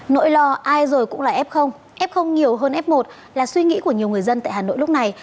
nỗi lo ai rồi cũng là f f nhiều hơn f một là suy nghĩ của nhiều người dân tại hà nội lúc này